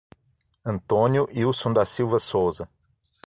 Antônio Ilson da Silva Souza